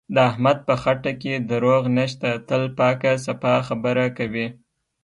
د احمد په خټه کې دروغ نشته، تل پاکه صفا خبره کوي.